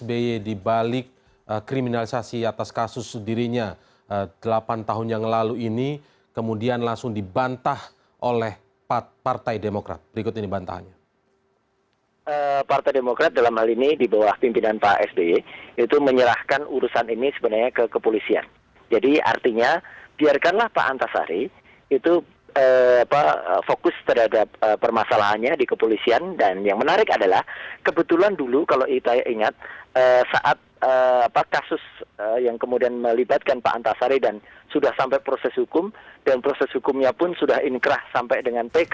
kebetulan dulu kalau itaya ingat saat kasus yang kemudian melibatkan pak antasari dan sudah sampai proses hukum dan proses hukumnya pun sudah inkrah sampai dengan pk